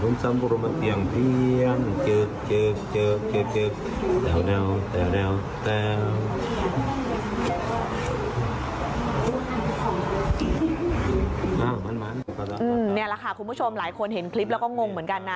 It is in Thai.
นี่แหละค่ะคุณผู้ชมหลายคนเห็นคลิปแล้วก็งงเหมือนกันนะ